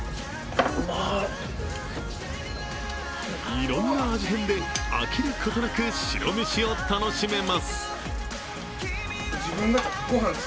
いろんな味変で飽きることなく白飯を楽しめます。